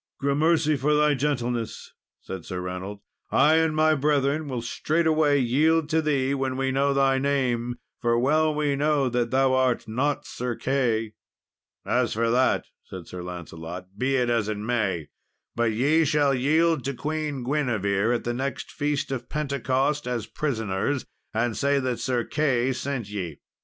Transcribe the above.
"Grammercy for thy gentleness!" said Sir Reynold. "I and my brethren will straightway yield to thee when we know thy name, for well we know that thou art not Sir Key." "As for that," said Sir Lancelot, "be it as it may, but ye shall yield to Queen Guinevere at the next feast of Pentecost as prisoners, and say that Sir Key sent ye."